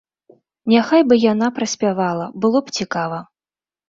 Няхай бы яна праспявала, было б цікава.